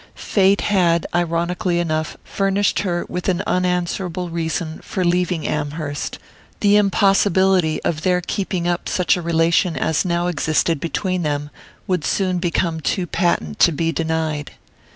Fate had, ironically enough, furnished her with an unanswerable reason for leaving Amherst; the impossibility of their keeping up such a relation as now existed between them would soon become too patent to be denied.